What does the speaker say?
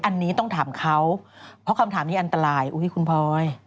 อันนี้ต้องถามเขาเพราะคำถามนี้อันตรายอุ้ยคุณพลอย